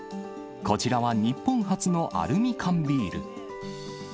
こちらは日本初のアルミ缶ビール。